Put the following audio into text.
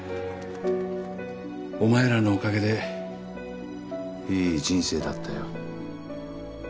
お前らのおかげでいい人生だったよ。